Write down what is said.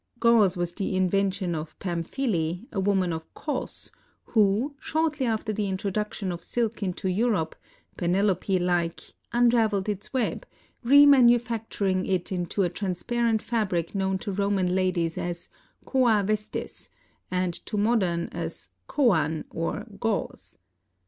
Gauze was the invention of Pamphile, a woman of Cos, who, shortly after the introduction of silk into Europe, Penelope like, unraveled its web, re manufacturing it into a transparent fabric known to Roman ladies as " Coa vestis," and to moderns as coan or gauze.